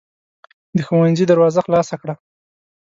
د ښوونځي دروازه خلاصه کړه.